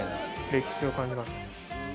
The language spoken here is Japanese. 歴史を感じますね。